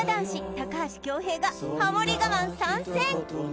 高橋恭平がハモり我慢参戦